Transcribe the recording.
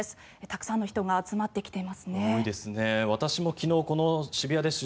たくさんの人が集まってきていますね。